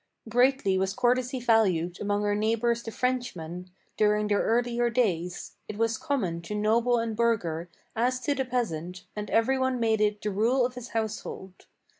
Greatly was courtesy valued among our neighbors the Frenchmen, During their earlier days; it was common to noble and burgher, As to the peasant, and every one made it the rule of his household.